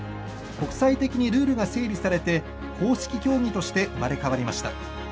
国際的にルールが整備されて公式競技として生まれ変わりました。